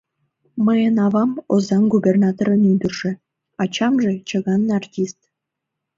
— Мыйын авам Озаҥ губернаторын ӱдыржӧ, ачамже чыган-артист.